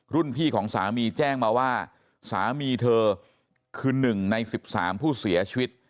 พี่ของสามีแจ้งมาว่าสามีเธอคือ๑ใน๑๓ผู้เสียชีวิต